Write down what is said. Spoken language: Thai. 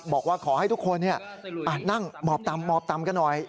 บอกว่าขอให้ทุกคนนั่งหมอบต่ำหมอบตำกันหน่อย